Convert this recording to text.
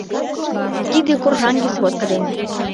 — Тиде коршаҥге сводка дене...